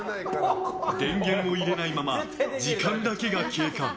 電源を入れないまま時間だけが経過。